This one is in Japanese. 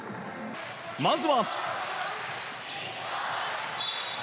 まずは。